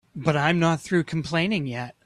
But I'm not through complaining yet.